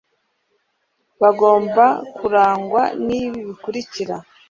bagomba kurangwa n'ibi bikurikira